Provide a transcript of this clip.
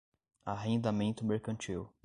Arrendamento Mercantil